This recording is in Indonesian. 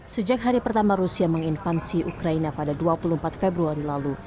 sejak hari pertama rusia menginfansi ukraina pada dua puluh empat februari lalu